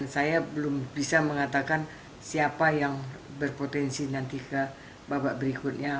saya belum bisa mengatakan siapa yang berpotensi nanti ke babak berikutnya